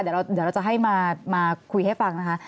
เดี๋ยวเราจะให้มาคุยให้ฟังนะคะ